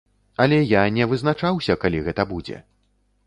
Але я не вызначаўся, калі гэта будзе.